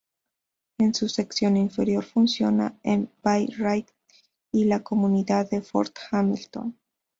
En su sección inferior, funciona en Bay Ridge y la comunidad de Fort Hamilton.